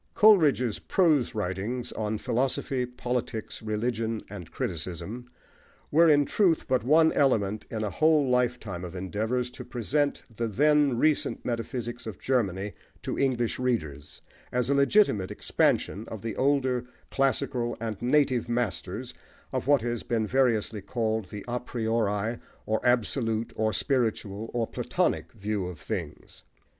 Coleridge's prose writings on philosophy, politics, religion, and criticism, were, in truth, but one element in a whole lifetime of endeavours to present the then recent metaphysics of Germany to English readers, as a legitimate expansion of the older, classical and native masters of what has been variously called the a priori, or absolute, or spiritual, or Platonic, view of things.